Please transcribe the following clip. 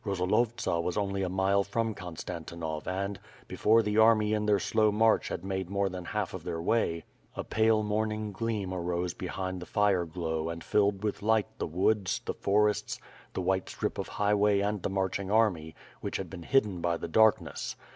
Rosolovtsa was only a mile from Konstantinov and, before the army in their slow march had made more than half of their way, a pale morning gleam arose behind the fire glow and filled with light the woods, ihe forests, the white strip of highway and the marching army, which had been hidden by the darkness.